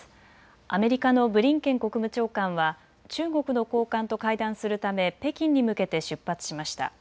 アメリカのブリンケン国務長官は中国の高官と会談するため北京に向けて出発しました。